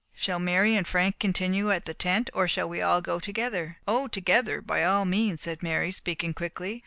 Shall Mary and Frank continue at the tent, or shall we all go together?" "O together, by all means," said Mary, speaking quickly.